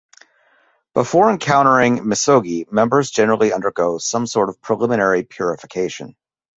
Before encountering misogi, members generally undergo some sort of preliminary purification.